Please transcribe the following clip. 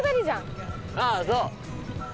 あぁそう。